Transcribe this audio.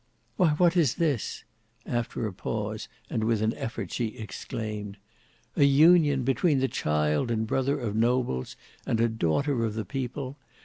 "Why what is this?" after a pause and with an effort she exclaimed. "An union between the child and brother of nobles and a daughter of the people!